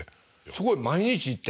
そこへ毎日行って？